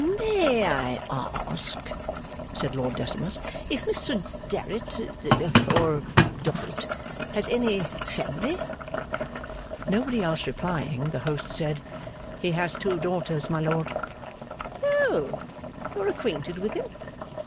'May I ask,' said Lord Decimus, 'if Mr Darrit or Dorrit has any family?' Nobody else replying, the host said, 'He has two daughters, my lord.' 'Oh! you are acquainted with him?